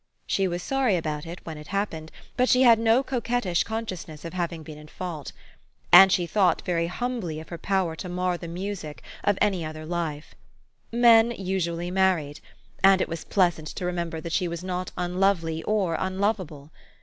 Shb was sorry about it when it happened ; but she had no coquettish conscious ness of having been in fault. And she thought very humbly of her power to mar the music of any other 100 THE STOEY OF AVIS. life. Men usually married. And it was pleasant to remember that she was not unlovely or unlovable.